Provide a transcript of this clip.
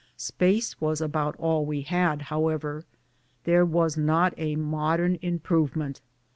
Space was about all we had, however; there w^as not a modern improvement.